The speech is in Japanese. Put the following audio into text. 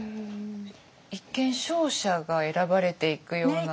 一見勝者が選ばれて行くような。